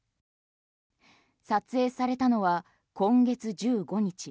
撮影されたのは今月１５日。